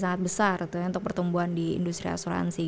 sangat besar untuk pertumbuhan di industri asuransi